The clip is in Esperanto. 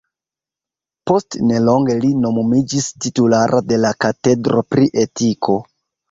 Post nelonge li nomumiĝis titulara de la katedro pri etiko.